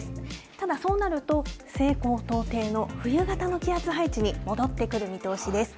ただ、そうなると、西高東低の冬型の気圧配置に戻ってくる見通しです。